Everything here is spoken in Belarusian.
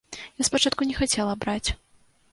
Я спачатку не хацела браць.